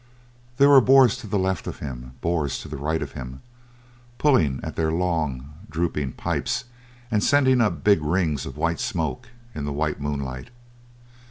There were Boers to the left of him, Boers to the right of him, pulling at their long, drooping pipes and sending up big rings of white smoke in the white moonlight.